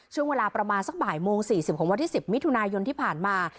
ช่วงเวลาประมาณสักบ่ายโมง๔๐ของวันที่๑๐มิถุนายนที่ผ่านมา